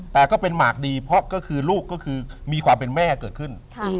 แต่ก็เป็นหมากดีเพราะก็คือลูกก็คือมีความเป็นแม่เกิดขึ้น